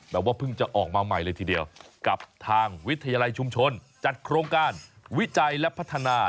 ว่าเพิ่งจะออกมาใหม่เลยทีเดียวกับทางวิทยาลัยชุมชนจัดโครงการวิจัยและพัฒนา